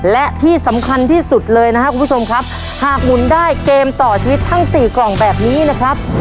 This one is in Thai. และที่สำคัญที่สุดเลยนะครับคุณผู้ชมครับหากหมุนได้เกมต่อชีวิตทั้งสี่กล่องแบบนี้นะครับ